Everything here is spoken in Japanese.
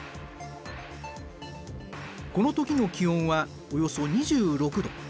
この時の気温はおよそ２６℃。